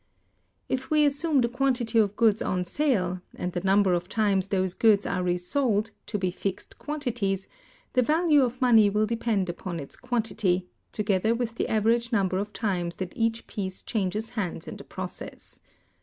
If we assume the quantity of goods on sale, and the number of times those goods are resold, to be fixed quantities, the value of money will depend upon its quantity, together with the average number of times that each piece changes hands in the process.